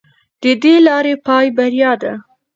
د دې لارې پای بریا ده.